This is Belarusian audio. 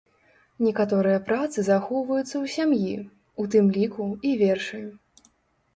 Некаторыя працы захоўваюцца ў сям'і, у тым ліку і вершы.